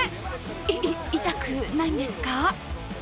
い、い、痛くないんですか？